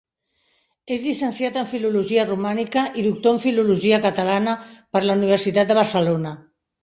És llicenciat en Filologia romànica i doctor en Filologia catalana per la Universitat de Barcelona.